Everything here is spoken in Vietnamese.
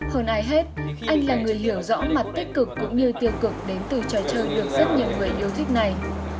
hơn ai hết anh là người hiểu rõ mặt tích cực cũng như tiêu cực đến từ trò chơi được rất nhiều người yêu thích này